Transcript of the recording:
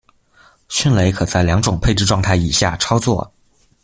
迅雷可在两种配置状态以下操作。